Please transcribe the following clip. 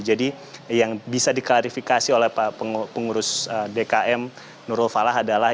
jadi yang bisa diklarifikasi oleh pengurus dkm nurul falah adalah